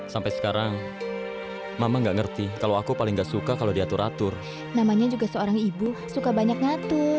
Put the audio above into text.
sampai jumpa di video selanjutnya